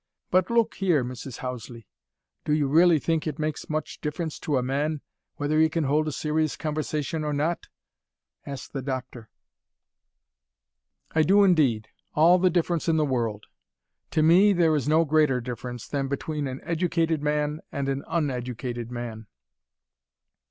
"But look here, Mrs. Houseley, do you really think it makes much difference to a man, whether he can hold a serious conversation or not?" asked the doctor. "I do indeed, all the difference in the world To me, there is no greater difference, than between an educated man and an uneducated man."